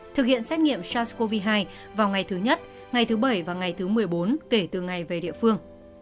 thực hiện xét nghiệm sars cov hai vào ngày thứ nhất ngày thứ bảy và ngày thứ một mươi bốn kể từ ngày về địa phương